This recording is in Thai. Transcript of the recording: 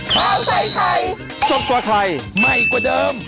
ข้าวใส่ไทยสดกว่าไทยใหม่กว่าเดิม